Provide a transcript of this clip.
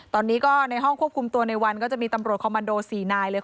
ตอนนี้ก็ในห้องควบคุมตัวในวันก็จะมีตำรวจคอมมันโด๔นายเลย